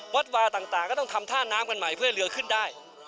วัดวาต่างก็ต้องทำท่าน้ำกันใหม่เพื่อให้เรือขึ้นได้